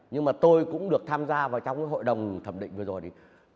nhưng mà tôi cũng được tham gia vào trong hội đồng thẩm định vừa rồi